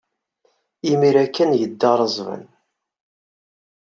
Imir-a kan ay yedda Razvan.